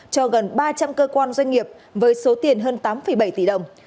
cho gần ba trăm linh cơ quan doanh nghiệp với số tiền hơn tám bảy tỷ đồng